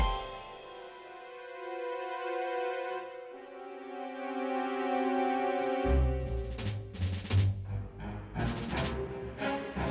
sabar sabar cepetan gue udah gak ketahan